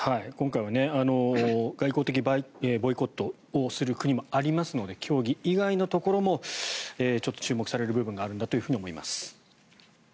今回は外交的ボイコットをする国もありますので競技以外のところも注目される部分があるんだと思います。